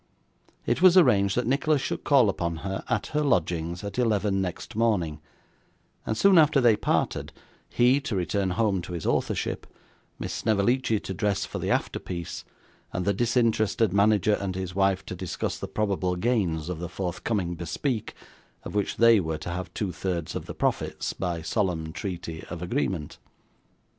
It was arranged that Nicholas should call upon her, at her lodgings, at eleven next morning, and soon after they parted: he to return home to his authorship: Miss Snevellicci to dress for the after piece: and the disinterested manager and his wife to discuss the probable gains of the forthcoming bespeak, of which they were to have two thirds of the profits by solemn treaty of agreement.